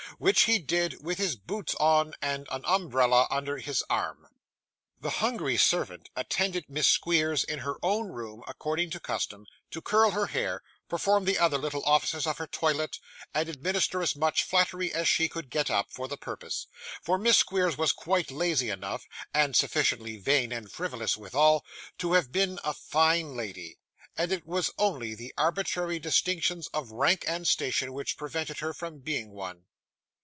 Which he did with his boots on, and an umbrella under his arm. The hungry servant attended Miss Squeers in her own room according to custom, to curl her hair, perform the other little offices of her toilet, and administer as much flattery as she could get up, for the purpose; for Miss Squeers was quite lazy enough (and sufficiently vain and frivolous withal) to have been a fine lady; and it was only the arbitrary distinctions of rank and station which prevented her from being one.